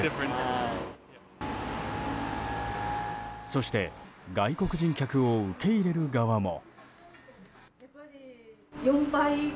そして外国人客を受け入れる側も。